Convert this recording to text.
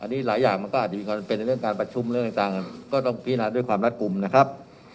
อันนี้หลายอย่างมันก็อาจจะมีความจำเป็นในเรื่องการประชุมเรื่องต่างก็ต้องพินาด้วยความรัดกลุ่มนะครับ